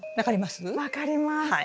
分かります？